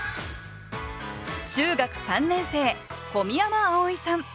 中学３年生小宮山碧生さん。